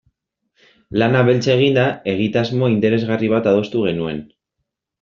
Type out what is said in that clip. Lana beltz eginda, egitasmo interesgarri bat adostu genuen.